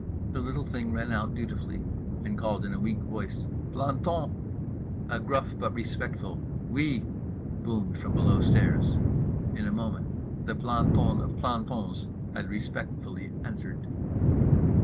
The little thing ran out dutifully and called in a weak voice "Planton!" A gruff but respectful "Oui" boomed from below stairs. In a moment the planton of plantons had respectfully entered.